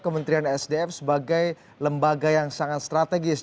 kementerian sdm sebagai lembaga yang sangat strategis